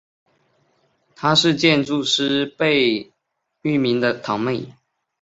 她是建筑师贝聿铭的堂妹。